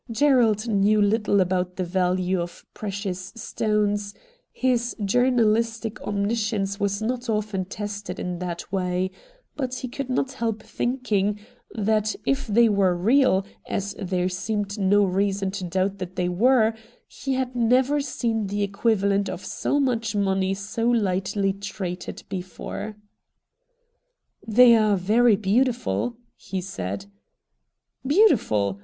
Gerald knew" little about the value of precious stones — his journ alistic omniscience was not often tested in that way — but he could not help thinking that if 48 RED DIAMONDS they were real, as there seemed no reason to doubt that they were, he had never seen the equivalent of so much money so lightly treated before. ' They are very beautiful,' he said. ' Beautiful